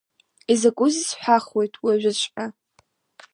Изакәызеи сҳәахуеит, уажәыҵәҟьа.